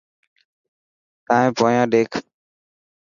تائن پونيان ڏيک.